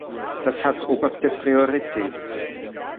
Das hat oberste Priorität.